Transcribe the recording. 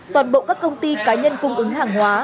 toàn bộ các công ty cá nhân cung ứng hàng hóa